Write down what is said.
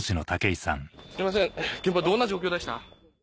すいません現場どんな状況でした？